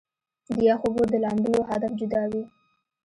د يخو اوبو د لامبلو هدف جدا وي -